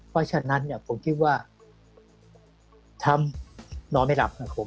เพราะฉะนั้นผมคิดว่าทำนอนไม่หลับก็โบ้ง